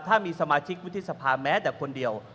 ถ้ามีสมาชิกวิทยุสภาพริกอดิฉันเองแม้แต่คนเดียว